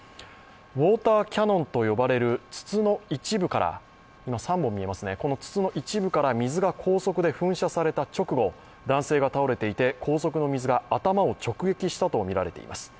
ウォーターキャノンと呼ばれる筒の一部から、３本見えますね、筒の一部から水が高速で噴射された直後男性が倒れていて、高速の水が、頭を直撃したとみられています。